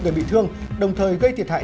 người bị thương đồng thời gây thiệt hại